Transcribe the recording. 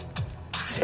失礼。